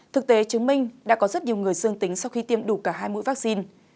thực tế chứng minh đã có rất nhiều người dương tính sau khi tiêm đủ cả hai mũi vaccine